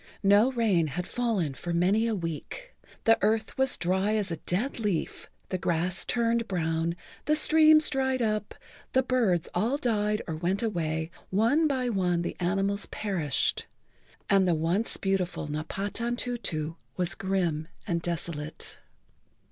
No rain had fallen for many a week. The earth was dry as a dead leaf, the grass turned brown,[Pg 47] the streams dried up, the birds all died or went away, one by one the animals perished, and the once beautiful Napatantutu was grim and desolate.